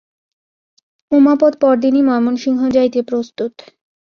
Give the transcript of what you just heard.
উমাপদ পরদিনই ময়মনসিংহ যাইতে প্রস্তুত।